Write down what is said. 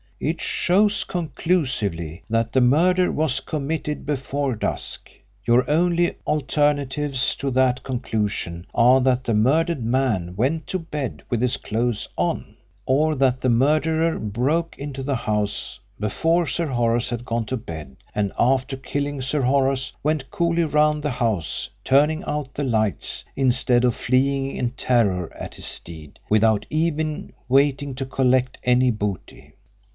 It shows conclusively that the murder was committed before dusk. Your only alternatives to that conclusion are that the murdered man went to bed with his clothes on, or that the murderer broke into the house before Sir Horace had gone to bed and after killing Sir Horace went coolly round the house turning out the lights instead of fleeing in terror at his deed without even waiting to collect any booty.